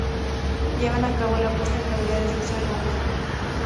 Llevan a cabo la puesta en cavidades del suelo húmedo.